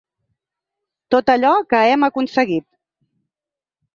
Tot allò que hem aconseguit.